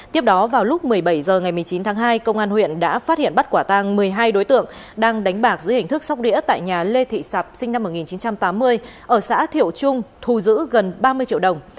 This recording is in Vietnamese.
tiếp đó vào lúc một mươi bảy h ngày một mươi chín tháng hai công an huyện đã phát hiện bắt quả tang một mươi hai đối tượng đang đánh bạc dưới hình thức sóc đĩa tại nhà lê thị sạp sinh năm một nghìn chín trăm tám mươi ở xã thiệu trung thu giữ gần ba mươi triệu đồng